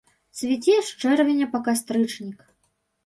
Цвіце з чэрвеня па кастрычнік.